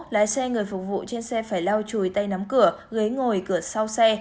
lái xe người phục vụ trên xe phải lau chùi tay nắm cửa ghế ngồi cửa sau xe